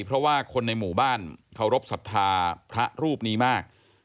เพราะว่าคนในหมู่บ้านเคารพสัทธาพระรูปนี้มาก